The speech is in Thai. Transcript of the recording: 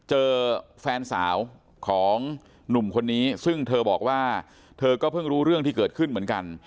เจอแฟนสาวของหนุ่มคนนี้ซึ่งเธอบอกว่าเธอก็เพิ่งรู้เรื่องที่เกิดขึ้นเหมือนกัน